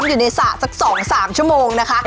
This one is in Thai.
อยู่ในสระสัก๒๓ชั่วโมงนะคะ